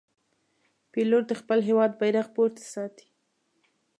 پیلوټ د خپل هېواد بیرغ پورته ساتي.